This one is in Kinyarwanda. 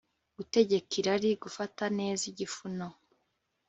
gutegeka irariGufata neza igifu no